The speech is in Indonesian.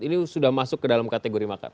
ini sudah masuk ke dalam kategori makar